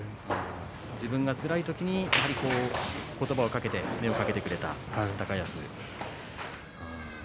自分がつらい時に言葉をかけて目をかけてくれた高安。